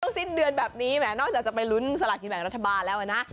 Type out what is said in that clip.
สิ้นเดือนแบบนี้แหมนอกจากจะไปลุ้นสลากินแบ่งรัฐบาลแล้วนะ